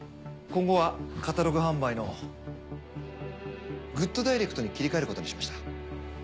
今後はカタログ販売のグッドダイレクトに切り替えることにしました。